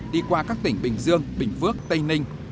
đi qua các tỉnh bình dương bình phước tây ninh